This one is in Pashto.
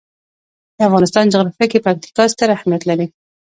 د افغانستان جغرافیه کې پکتیکا ستر اهمیت لري.